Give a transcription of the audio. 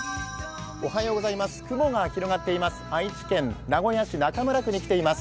雲が広がっています。